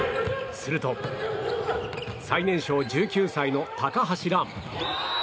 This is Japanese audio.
すると、最年少１９歳の高橋藍。